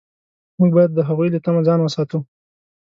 موږ باید د هغوی له طمع ځان وساتو.